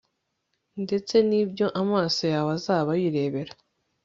ndetse n'ibyo amaso yawe azaba yirebera